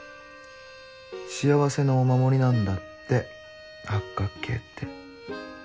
幸せのお守りなんだって八角形って。